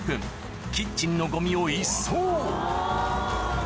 キッチンのゴミを一掃